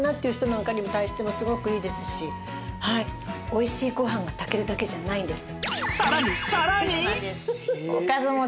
美味しいご飯が炊けるだけじゃないんです。